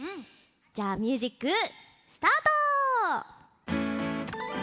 じゃあミュージックスタート！